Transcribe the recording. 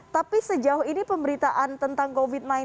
tapi sejauh ini pemberitaan tentang covid sembilan belas